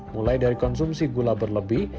mulai dari konsumsi gula berlebih